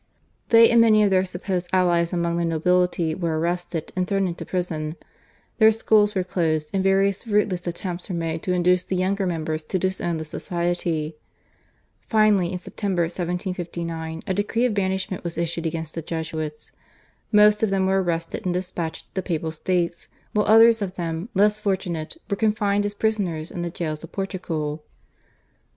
They and many of their supposed allies among the nobility were arrested and thrown into prison; their schools were closed, and various fruitless attempts were made to induce the younger members to disown the Society. Finally in September 1759 a decree of banishment was issued against the Jesuits. Most of them were arrested and despatched to the Papal States, while others of them, less fortunate, were confined as prisoners in the jails of Portugal.